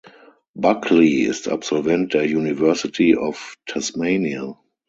Buckley ist Absolvent der University of Tasmania.